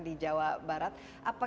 di jawa barat apa